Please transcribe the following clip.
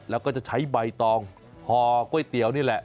แล้วก็จะใช้ใบตองห่อก๋วยเตี๋ยวนี่แหละ